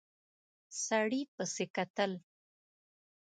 سړي پسې کتل.